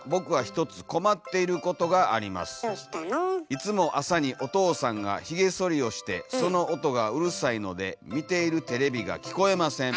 「いつも朝にお父さんがひげそりをしてその音がうるさいので見ているテレビが聞こえません」。